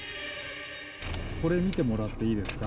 これ見てもらっていいですか？